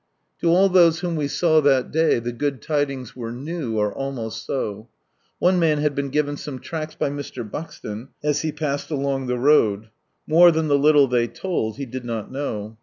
To all those whom we saw that day the good tidings were new or almost so. One man had been given some tracts by Mr. Buxton as he passed along the road — more than the little ihey told, he did not know.